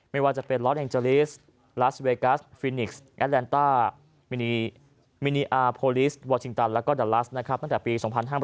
ไม่ว่าจะเป็นลอสแองเจลิสลาสเวกัสฟินิกส์แอดแลนต้ามินีอาร์โพลิสวชิงตันแล้วก็ดาลัสนะครับตั้งแต่ปี๒๕๕๘